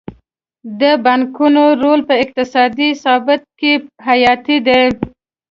د بانکونو رول په اقتصادي ثبات کې حیاتي دی.